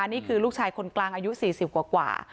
นี่คือลูกชายคนกลางอายุ๔๐กว่า